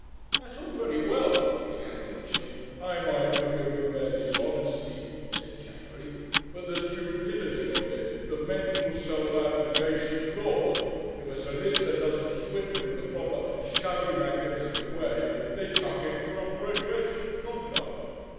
"That's all very well," began Lewisham. "I might forgive them their dishonesty," said Chaffery, "but the stupidity of it, the mental self abnegation Lord! If a solicitor doesn't swindle in the proper shabby magnificent way, they chuck him for unprofessional conduct."